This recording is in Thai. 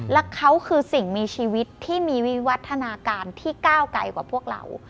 และเขาคือสิ่งมีชีวิตที่มีวิวัฒนาการที่ก้าวไกลกว่าพวกเรา